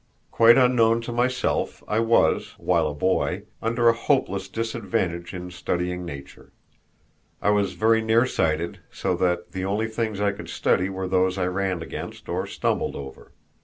Quite unknown to myself, I was, while a boy, under a hopeless disadvantage in studying nature. I was very near sighted, so that the only things I could study were those I ran against or stumbled over.